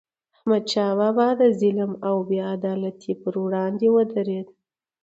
احمد شاه بابا د ظلم او بې عدالتی پر وړاندې ودرید.